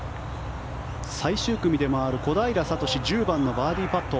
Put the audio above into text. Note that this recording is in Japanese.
最終組で回る小平智１０番のバーディーパット。